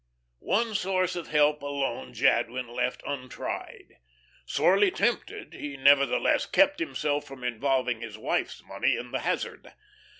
One source of help alone Jadwin left untried. Sorely tempted, he nevertheless kept himself from involving his wife's money in the hazard.